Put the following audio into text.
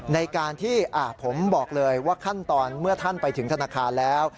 ในการที่ผมบอกเลยว่าขั้นตอนเมื่อท่านไปถึงธนาคารแล้ว